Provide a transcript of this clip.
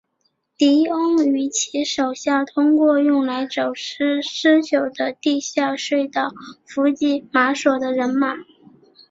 狄翁与其手下透过用来走私私酒的地下隧道伏击马索的人马。